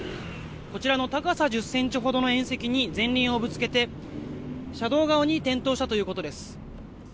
こちらの高さ１０ｃｍほどの縁石に前輪をぶつけて車道側に転倒したということです。